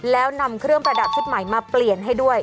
แล้วนำเครื่องประดับชุดใหม่มาเปลี่ยนให้ด้วย